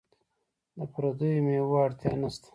د پردیو میوو اړتیا نشته.